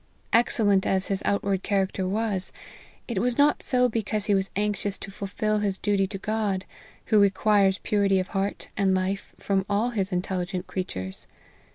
Excellent as his outward character was, it was not so because he was anxious to fulfil his duty to God, who requires purity of heart and life from all his intelligent creatures.